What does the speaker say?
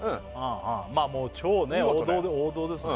まあもう超王道ですね